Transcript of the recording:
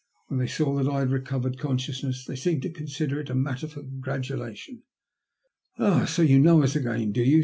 When they saw that I had recovered consciousness they seemed to consider it a matter for congratulation. " So you know us again, do you